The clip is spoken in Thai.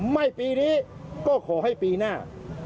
ไม่ปีนี้ก็ขอให้ปีหน้า